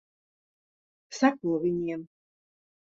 Seko viņiem.